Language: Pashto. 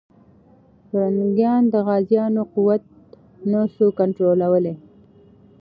پرنګیان د غازيانو قوت نه سو کنټرولولی.